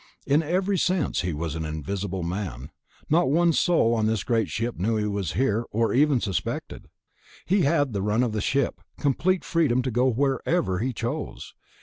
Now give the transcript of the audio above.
In every sense, he was an invisible man. Not one soul on this great ship knew he was here, or even suspected. He had the run of the ship, complete freedom to go wherever he chose.